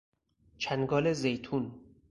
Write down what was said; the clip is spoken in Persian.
چنگال زیتون